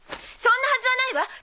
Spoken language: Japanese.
そんなはずはないわ！